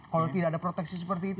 kalau tidak ada proteksi seperti itu